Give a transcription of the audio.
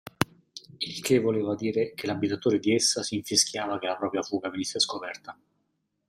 Il che voleva dire che l'abitatore di essa si infischiava che la propria fuga venisse scoperta.